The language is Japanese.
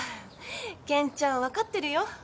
健ちゃん分かってるよ。